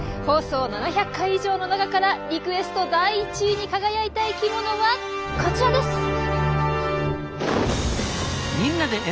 放送７００回以上の中からリクエスト第１位に輝いた生きものはこちらです！